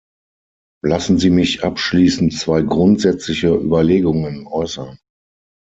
Lassen Sie mich abschließend zwei grundsätzliche Überlegungen äußern.